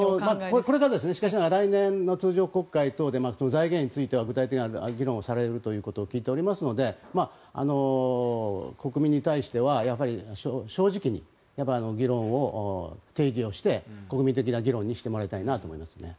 これが来年の通常国会で財源については具体的な議論をされると聞いておりますので国民に対しては正直に議論を提示して国民的な議論にしていただきたいと思います。